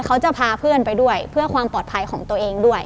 เขาจะพาเพื่อนไปด้วยเพื่อความปลอดภัยของตัวเองด้วย